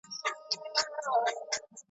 بس د خان مشکل به خدای کړي ور آسانه .